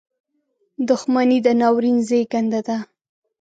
• دښمني د ناورین زیږنده ده.